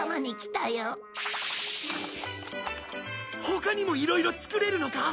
他にもいろいろ作れるのか？